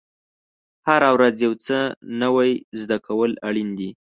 هره ورځ یو څه نوی زده کول اړین دي.